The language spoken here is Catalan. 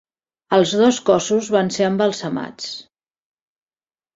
Els dos cossos van ser embalsamats.